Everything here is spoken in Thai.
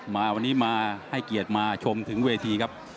มาวันนี้มาให้เกียรติมาชมถึงเวทีครับ